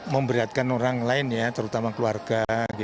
memberi hati orang lainnya terutama keluarga